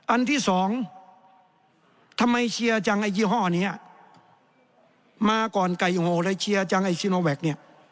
อันที่สองทำไมเชียร์จังไอ้ยี่ห้อนี้มาก่อนไก่โหเลยเชียร์จังไอ้ซีโนแวคเนี่ย